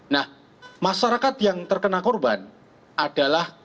nah masyarakat yang terkena korban adalah